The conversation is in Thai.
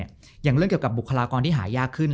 อย่างเรื่องเกี่ยวกับบุคลากรที่หายากขึ้น